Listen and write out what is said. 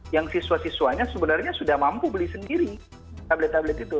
yang siswa siswanya sebenarnya sudah mampu beli sendiri tablet tablet itu